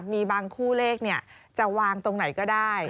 มีบางคู่เลขจะวางตรงไหนก็ได้